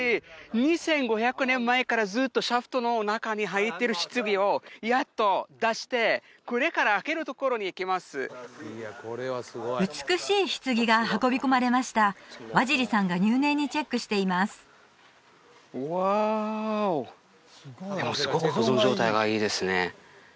２５００年前からずっとシャフトの中に入ってる棺をやっと出してこれから開けるところに行きます美しい棺が運び込まれましたワジリさんが入念にチェックしていますわおでもすごく保存状態がいいですね